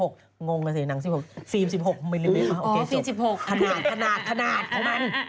ขนาดขนาดขนาดของมัน